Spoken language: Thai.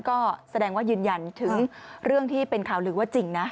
ก็แสดงว่ายืนยันถึงเรื่องที่เป็นข่าวลือว่าจริงนะ